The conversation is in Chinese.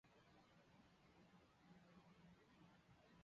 托旺达镇区为位在美国堪萨斯州巴特勒县的镇区。